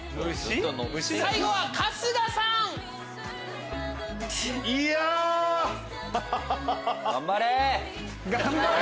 最後は春日さん！いやハハハハ！